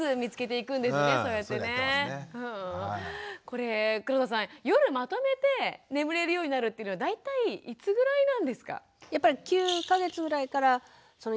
これ黒田さん夜まとめて眠れるようになるっていうのは大体いつぐらいなんですか？